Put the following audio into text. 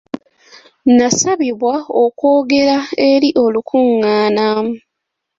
Nasabibwa okwogera eri olukungaana.